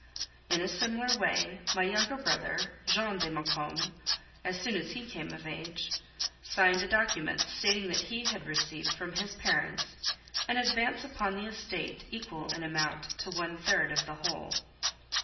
In a similar way, my younger brother, Jean de Maucombe, as soon as he came of age, signed a document stating that he had received from his parents an advance upon the estate equal in amount to one third of whole.